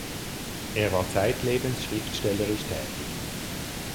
Er war zeitlebens schriftstellerisch tätig.